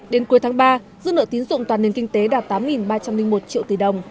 đến cuối tháng ba dư nợ tín dụng toàn nền kinh tế đạt tám ba trăm linh một triệu tỷ đồng